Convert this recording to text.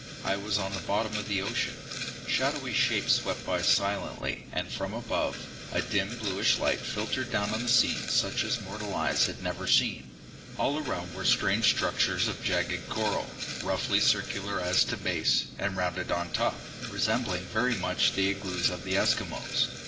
I was on the bottom of the ocean. Shadowy shapes swept by silently, and from above, a dim bluish light filtered down on a scene such as mortal eyes have never seen. All around were strange structures of jagged coral, roughly circular as to base, and rounded on top, resembling very much the igloos of the Eskimos.